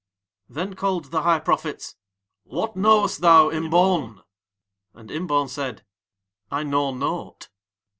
Then called the High Prophets: "What knowest thou Imbaun?" And Imbaun said: "I know naught."